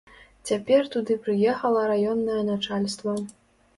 Цяпер туды прыехала раённае начальства.